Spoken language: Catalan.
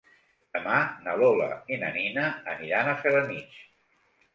Demà na Lola i na Nina aniran a Felanitx.